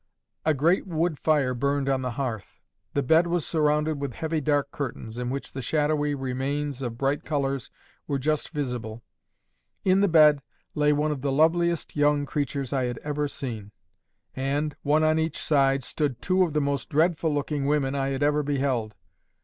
A great wood fire burned on the hearth. The bed was surrounded with heavy dark curtains, in which the shadowy remains of bright colours were just visible. In the bed lay one of the loveliest young creatures I had ever seen. And, one on each side, stood two of the most dreadful looking women I had ever beheld.